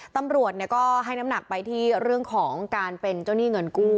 ตำรวจก็ให้น้ำหนักไปที่เรื่องของการเป็นเจ้าหนี้เงินกู้